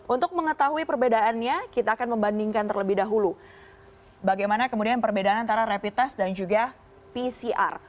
untuk mengetahui perbedaannya kita akan membandingkan terlebih dahulu bagaimana kemudian perbedaan antara rapid test dan juga pcr